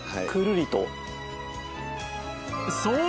そう！